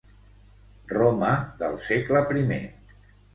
Roma del segle primer.